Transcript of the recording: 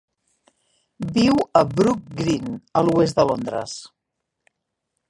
Viu a Brook Green, a l'oest de Londres.